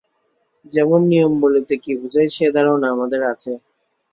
যেমন, নিয়ম বলিতে কি বুঝায় সে ধারণা আমাদের আছে।